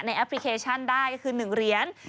แอปพลิเคชันได้ก็คือ๑เหรียญ